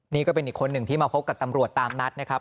นี่ก็เป็นอีกคนหนึ่งที่มาพบกับตำรวจตามนัดนะครับ